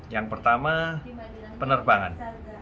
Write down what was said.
yang pertama penerbangan